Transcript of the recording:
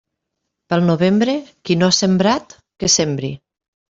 Pel novembre, qui no ha sembrat, que sembri.